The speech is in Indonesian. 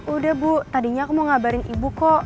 udah bu tadinya aku mau ngabarin ibu kok